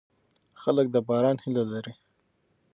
خلک د باران هیله لري.